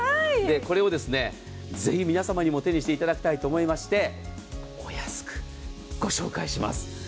これはぜひ皆さまにも手にしていただきたいと思いましてお安くご紹介いたします。